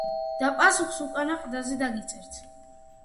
და პასუხს უკანა ყდაზე დაგიწერთ